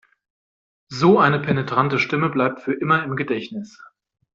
So eine penetrante Stimme bleibt für immer im Gedächtnis.